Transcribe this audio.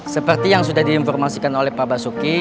seperti yang sudah diinformasikan oleh pak basuki